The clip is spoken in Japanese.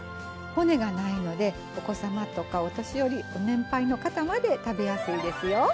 骨がないのでお子様とかお年寄りご年配の方まで食べやすいですよ。